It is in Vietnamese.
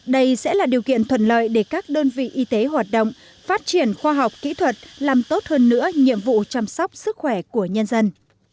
đây sẽ là điều kiện thuận lợi để các đơn vị y tế hoạt động phát triển khoa học kỹ thuật làm tốt hơn nữa nhiệm vụ chăm sóc sức khỏe của nhân dân